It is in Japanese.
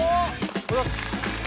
おはようございます